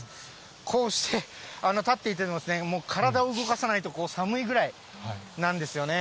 こうして立っていても、もう体を動かさないと寒いぐらいなんですよね。